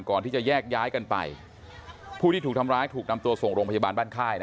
ก่อนที่จะแยกย้ายกันไปผู้ที่ถูกทำร้ายถูกนำตัวส่งโรงพยาบาลบ้านค่ายนะ